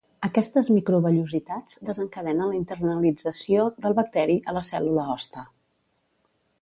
Aquestes microvellositats desencadenen la internalització del bacteri a la cèl·lula hoste.